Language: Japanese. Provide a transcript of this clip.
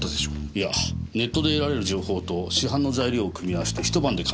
いやネットで得られる情報と市販の材料を組み合わせて一晩で完成しました。